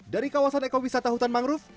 dari kawasan ekowisata hutan mangrove